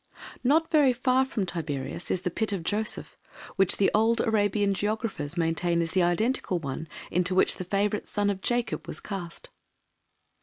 Not very far from Tiberias is the pit of Joseph, which old Arabian geographers maintain is the identical one into which the favourite son of Jacob was cast.